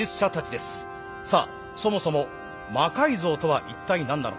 さあそもそも「魔改造」とは一体何なのか。